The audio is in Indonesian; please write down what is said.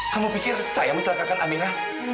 kamu pikir saya yang mencelakakan amira